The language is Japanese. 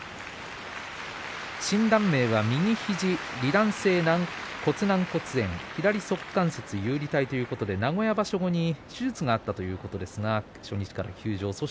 診断名は右肘離断性骨軟骨炎左足関節遊離体ということで名古屋場所のあとに手術があったということですが初日から休場です。